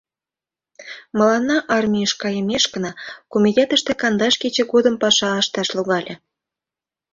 Мыланна армийыш кайымешкына комитетыште кандаш кече годым паша ышташ логале.